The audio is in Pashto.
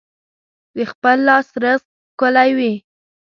د خپل لاس رزق ښکلی وي.